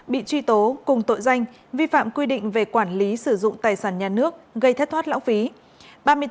bị truy tố cùng tội danh vi phạm quy định về quản lý sử dụng tài sản nhà nước gây thất thoát lão phí